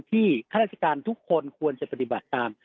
ข้าราชการทุกคนควรจะปฏิบัติตาม